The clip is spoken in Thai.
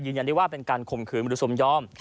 ยืนยันได้ว่าเป็นการคมขืนมันดูสมยอม